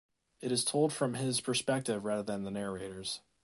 It is told from his perspective rather than the narrator's.